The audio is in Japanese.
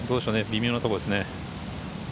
微妙なところですね。